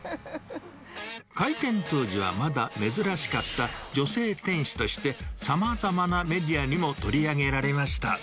開店当時はまだ珍しかった女性店主として、さまざまなメディアにも取り上げられました。